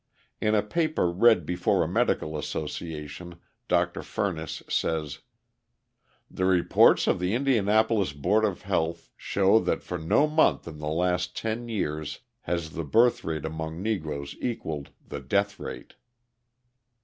In a paper read before a medical association Dr. Furniss says: "The reports of the Indianapolis Board of Health show that for no month in the last ten years has the birth rate among Negroes equalled the death rate."